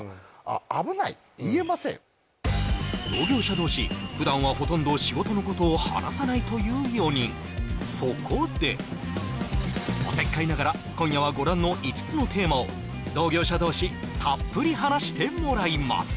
同業者同士普段はほとんど仕事のことを話さないという４人そこでお節介ながら今夜はご覧の５つのテーマを同業者同士たっぷり話してもらいます